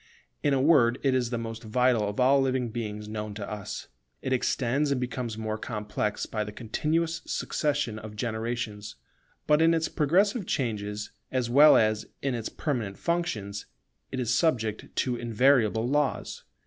In a word it is the most vital of all living beings known to us. It extends and becomes more complex by the continuous successions of generations. But in its progressive changes as well as in its permanent functions, it is subject to invariable laws.